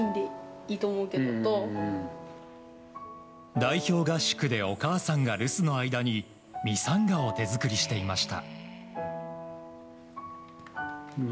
代表合宿でお母さんが留守の間にミサンガを手作りしていました。